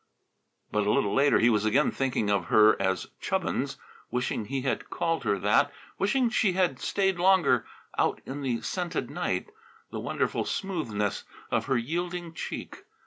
But a little later he was again thinking of her as "Chubbins," wishing he had called her that, wishing she had stayed longer out in the scented night the wonderful smoothness of her yielding cheek!